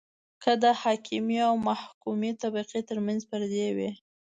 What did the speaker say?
که د حاکمې او محکومې طبقې ترمنځ پردې وي.